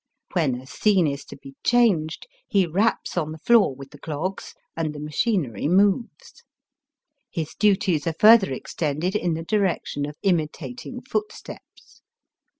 When a scene is to be changed he raps on the floor with the clogs, and the machinery moves. His duties are further extended in the direction of imitating footsteps.